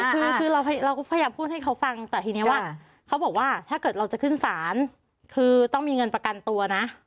คือเราก็พยายามพูดให้เขาฟังแต่ทีนี้ว่าเขาบอกว่าถ้าเกิดเราจะขึ้นศาลคือต้องมีเงินประกันตัวนะ